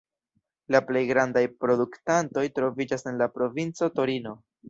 La plej grandaj produktantoj troviĝas en la provinco Torino.